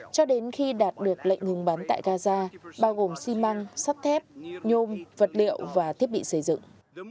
cho đến khi đạt được lệnh ngừng bắn tại gaza bao gồm xi măng sắt thép nhôm vật liệu và thiết bị xây dựng